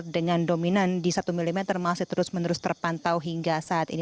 dengan dominan di satu mm masih terus menerus terpantau hingga saat ini